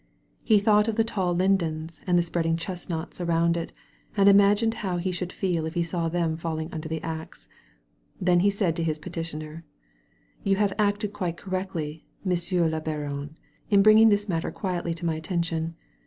He thought of the tall lindens and the spreading chestnuts around it and imagined how he should feel if he saw them falling under the axe. Then he said to his petitioner: "You have acted quite correctly. Monsieur le Baron, in bringing this matter quietly to my atten tion.